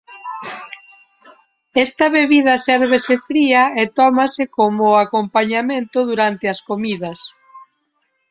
Esta bebida sérvese fría e tómase como acompañamento durante as comidas.